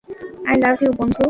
I love you, বন্ধু।